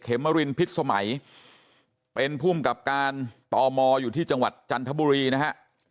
มรินพิษสมัยเป็นภูมิกับการตมอยู่ที่จังหวัดจันทบุรีนะฮะ